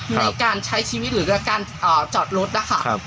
ในการใช้ชีวิตหรือการจอดรถนะคะ